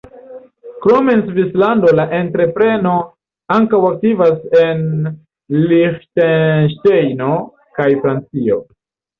Krom en Svislando la entrepreno ankaŭ aktivas en Liĥtenŝtejno kaj Francio.